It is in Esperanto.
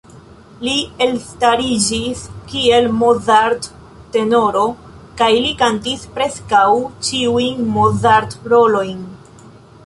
Li elstariĝis kiel Mozart-tenoro, kaj li kantis preskaŭ ĉiujn Mozart-rolojn.